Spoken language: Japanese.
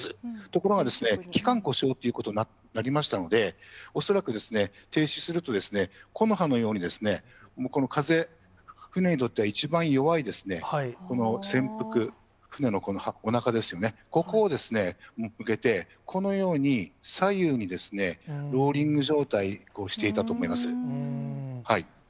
ところが、機械故障ということになりましたので、恐らく停止すると、木の葉のように、この風、船にとっては一番弱い、この船腹、船のおなかですよね、ここを向けて、このように、左右にローリング状態をしていたと思います。